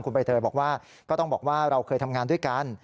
คุณใบเตยบอกว่าก็ต้องบอกว่าเราเคยทำงานด้วยกัน